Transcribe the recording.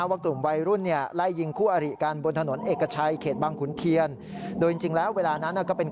ว่าดุ่มวัยรุ่นนี่ไล่ยิงคู่อริกันบนถนนเอกชัยเขตบางขุนเทียน